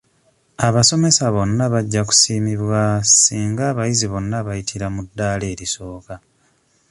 Abasomesa bonna bajja kusiimibwa singa abayizi bonna bayitira mu ddaala erisooka.